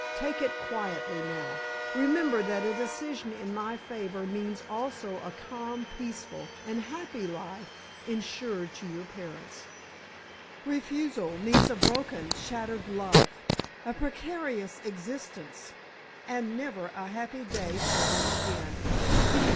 Take it quietly now. Remember that a decision in my favor means also a calm, peaceful and happy life insured to your parents. Refusal means a broken, shattered life, a precarious existence, and never a happy day for them again.